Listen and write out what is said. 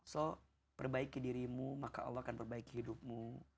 so perbaiki dirimu maka allah akan perbaiki hidupmu